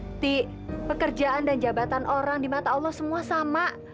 bukti pekerjaan dan jabatan orang di mata allah semua sama